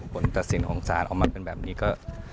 ผลตัดสินของศาลออกมาเป็นแบบนี้ก็